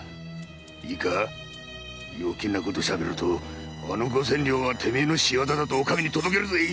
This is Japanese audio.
いいかよけいなことを喋るとあの五千両はお前の仕業だとお上に届けるぜ！